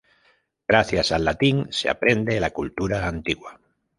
Gracias al latín se aprende la cultura antigua.